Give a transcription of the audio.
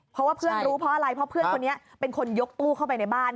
เพราะว่าเพื่อนรู้เพราะอะไรเพราะเพื่อนคนนี้เป็นคนยกตู้เข้าไปในบ้าน